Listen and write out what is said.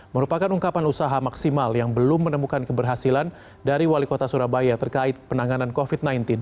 merupakan ungkapan usaha maksimal yang belum menemukan keberhasilan dari wali kota surabaya terkait penanganan covid sembilan belas